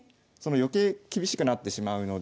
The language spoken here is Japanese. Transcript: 余計厳しくなってしまうので。